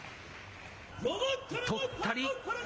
とったり。